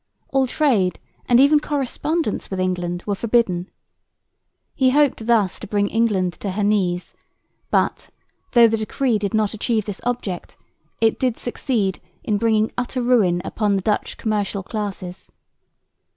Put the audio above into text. All trade and even correspondence with England were forbidden. He hoped thus to bring England to her knees; but, though the decree did not achieve this object, it did succeed in bringing utter ruin upon the Dutch commercial classes.